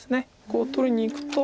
こう取りにいくと。